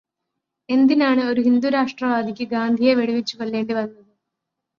എന്തിനാണ് ഒരു ഹിന്ദുരാഷ്ട്രവാദിക്ക് ഗാന്ധിയെ വെടിവച്ചു കൊല്ലേണ്ടി വന്നത്?